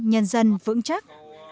nhân dân vững chắc